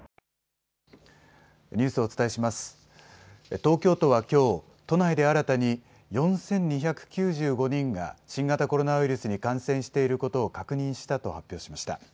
東京都はきょう都内で新たに４２９５人が新型コロナウイルスに感染していることを確認したと発表しました。